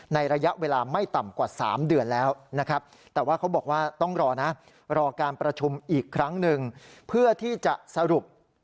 ในระยะเวลาไม่ต่ำกว่า๓เดือนแล้วนะครับ